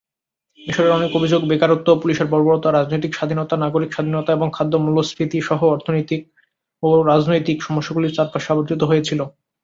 মিশরের অনেক অভিযোগ বেকারত্ব, পুলিশের বর্বরতা, রাজনৈতিক স্বাধীনতা, নাগরিক স্বাধীনতা এবং খাদ্য-মূল্যস্ফীতি সহ অর্থনৈতিক ও রাজনৈতিক সমস্যাগুলির চারপাশে আবর্তিত হয়েছিল।